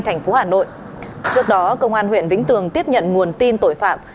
thành phố hà nội trước đó công an huyện vĩnh tường tiếp nhận nguồn tin tội phạm